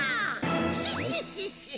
シッシッシッシッ。